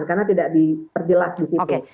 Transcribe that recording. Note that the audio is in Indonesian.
karena tidak diperjelas disitu